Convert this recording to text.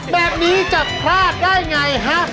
แบบนี้จะพลาดได้ไงฮะ